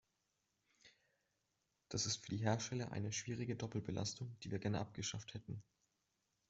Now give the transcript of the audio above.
Das ist für die Hersteller eine schwierige Doppelbelastung, die wir gerne abgeschafft hätten.